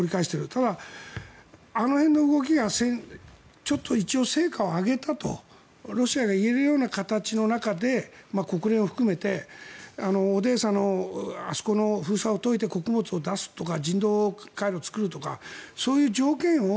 ただ、あの辺の動きがちょっと一応成果を上げたとロシアが言えるような形の中で国連を含めてオデーサのあそこの封鎖を解いて穀物を出すとか人道回廊を作るとかそういう条件を